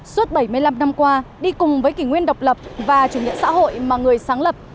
suốt bảy mươi năm năm qua đi cùng với kỷ nguyên độc lập và chủ nghĩa xã hội mà người sáng lập